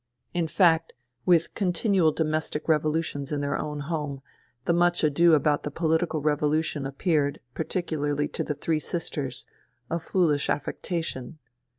In fact, with continual domestic revolutions in their own home, the much ado about the political revolution appeared, particularly to the three sisters, a foolish affectation.